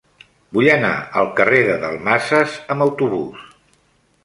Vull anar al carrer de Dalmases amb autobús.